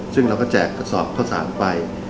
ซึ่งเราก็แจกกระสอบข้าวสารไป